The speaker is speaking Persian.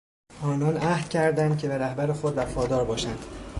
آنان عهد کردند که به رهبر خود وفادار باشند.